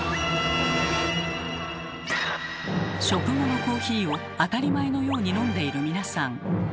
食後のコーヒーを当たり前のように飲んでいる皆さん。